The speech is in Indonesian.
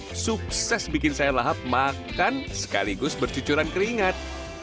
ini sukses bikin saya lahap makan sekaligus bercucuran keringat